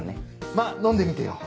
まっ飲んでみてよ。